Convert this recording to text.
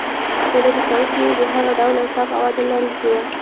څېړنې کوونکي د هغه ډول انصاف او عدل لرونکي و.